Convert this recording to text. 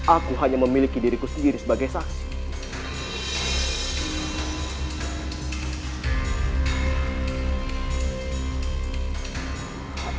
aku hanya memiliki diriku sendiri sebagai saksi